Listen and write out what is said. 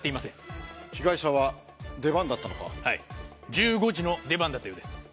１５時の出番だったようです。